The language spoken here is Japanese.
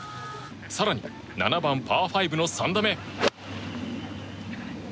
更に７番、パー５の３打目。